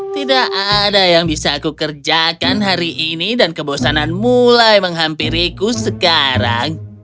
tidak ada yang bisa aku kerjakan hari ini dan kebosanan mulai menghampiriku sekarang